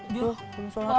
aduh gue mau solawatan